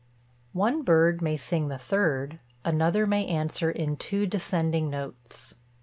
One bird may sing the third; another may answer in two descending notes.